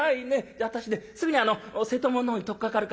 じゃあ私ねすぐにあの瀬戸物のほうに取っかかるから」。